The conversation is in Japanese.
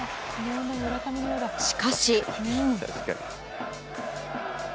しかし。